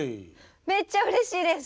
めっちゃうれしいです。